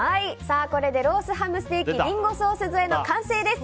これでロースハムステーキリンゴソース添えの完成です。